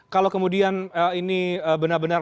kalau kemudian ini benar benar